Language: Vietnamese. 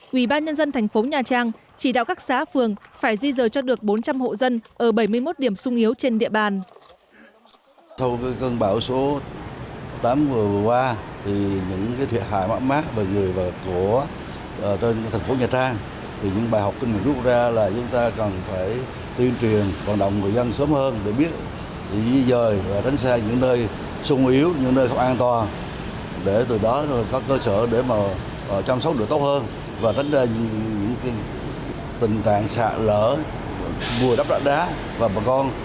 quỹ ban nhân dân thành phố nha trang chỉ đạo các xã phường phải di rời cho được bốn trăm linh hộ dân ở bảy mươi một điểm sung yếu trên địa bàn